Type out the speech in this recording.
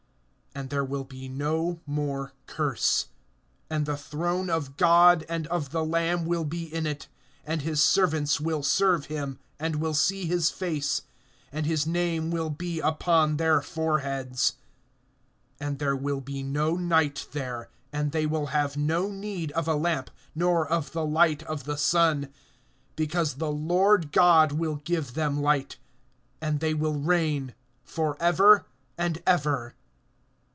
(3)And there will be no more curse. And the throne of God and of the Lamb will be in it; and his servants will serve him, (4)and will see his face, and his name will be upon their foreheads. (5)And there will be no night there; and they will have no need of a lamp, nor of the light of the sun, because the Lord God will give them light; and they will reign forever and ever.